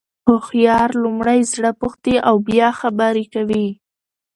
هوښیار لومړی زړه پوښتي او بیا خبري کوي.